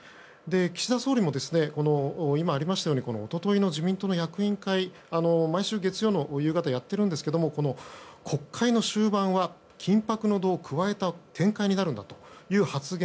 岸田総理も、今ありましたように一昨日の自民党の役員会でこれは、毎週月曜の夕方にやっているんですがこの国会の終盤は緊迫の度を加えた展開になるんだという発言